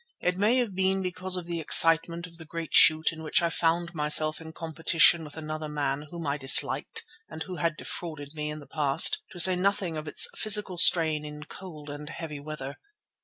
It may have been because of the excitement of the great shoot in which I found myself in competition with another man whom I disliked and who had defrauded me in the past, to say nothing of its physical strain in cold and heavy weather.